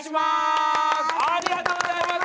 ありがとうございます。